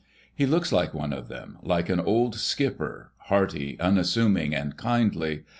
He looks like one of them, like an old skipper, hearty, unassuming and kindly.